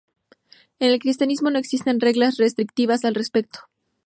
En el cristianismo no existen reglas restrictivas al respecto.